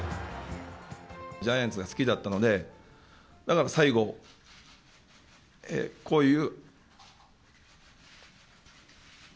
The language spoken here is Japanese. ジャイアンツが好きだったので、だから最後、こういう。